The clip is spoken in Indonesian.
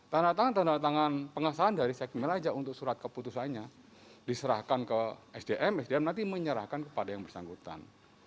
tandatangan tandatangan pengesahan dari sekmil aja untuk surat keputusannya diserahkan ke sdm sdm nanti menyerahkan kepada yang bersangkutan